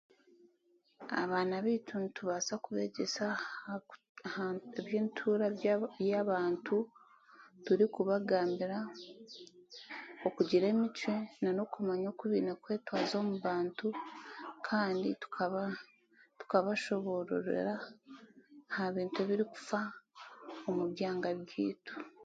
Abaana baitu nitubaasa kubeegyesa ahabwebyentuura y'abantu turikubagambira okugira emicwe nanokumanya oku baine kwetwaza omu bantu kandi tukaba tukabashoboororera ha bintu birikufa omu byanga byaitu